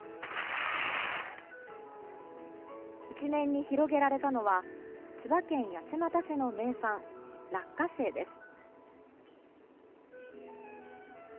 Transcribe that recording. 一面に広げられたのは千葉県八街市の名産落花生です。